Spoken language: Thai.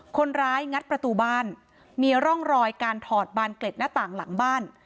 งัดประตูบ้านมีร่องรอยการถอดบานเกล็ดหน้าต่างหลังบ้าน